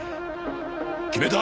決めた！